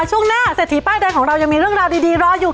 ช่วงหน้าเศรษฐีป้ายแดงของเรายังมีเรื่องราวดีรออยู่